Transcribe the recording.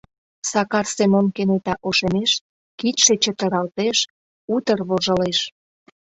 Сакар Семон кенета ошемеш, кидше чытыралтеш, утыр вожылеш.